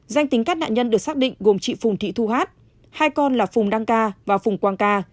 danh tính các nạn nhân được xác định gồm chị phùng thị thu hát hai con là phùng đăng ca và phùng quang ca